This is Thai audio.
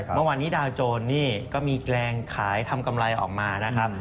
เมื่อวานนี้ดาวโจรนี่ก็มีแรงขายทำกำไรออกมานะครับ